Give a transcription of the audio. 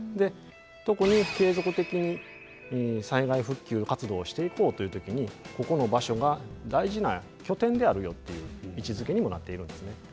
特に継続的に災害復旧活動をしていこうという時にここの場所が大事な拠点であるよっていう位置づけにもなっているんですね。